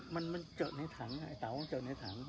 มันเจอในถัง